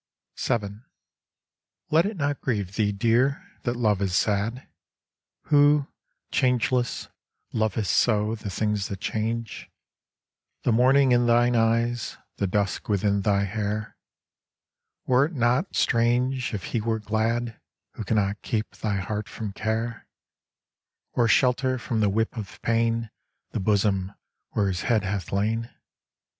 VII Let it not grieve thee, Dear, that Love is sad, Who, changeless, loveth so the things that change, The morning in thine eyes, the dusk within thy hair, Were it not strange If he were glad Who cannot keep thy heart from care, Or shelter from the whip of pain The bosom where his head hath lain?